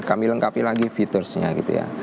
kami lengkapi lagi features nya gitu ya